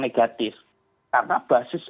negatif karena basis